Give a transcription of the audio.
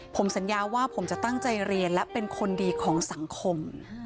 ผมสัญญาว่าผมจะตั้งใจเรียนและเป็นคนดีของสังคม